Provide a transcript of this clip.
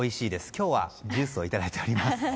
今日はジュースをいただいております。